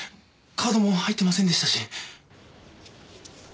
カードも入ってませんでしたし。